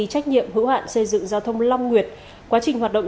trách nhiệm hữu hạn xây dựng giao thông long nguyệt quá trình hoạt động